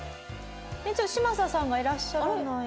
嶋佐さんがいらっしゃらない。